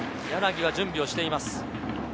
柳も準備をしています。